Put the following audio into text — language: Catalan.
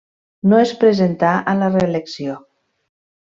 No es presentà a la reelecció.